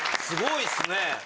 すごいですね。